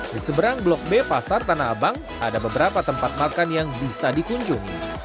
di seberang blok b pasar tanah abang ada beberapa tempat makan yang bisa dikunjungi